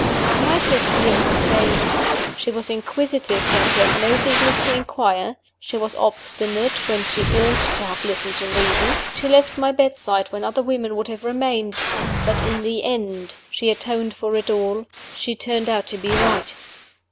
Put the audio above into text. I might yet hear him say, "She was inquisitive when she had no business to inquire; she was obstinate when she ought; to have listened to reason; she left my bedside when other women would have remained; but in the end she atoned for it all she turned out to be right!"